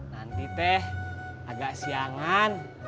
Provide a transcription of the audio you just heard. nanti teh agak siangan